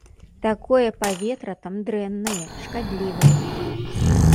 Такое паветра там дрэннае, шкадлівае.